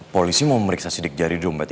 polisi mau memeriksa sidik jari di dompet itu